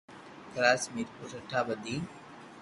ڪراچي ۔ ميرپورخاص ۔ ٺھٺہ ۔ بدين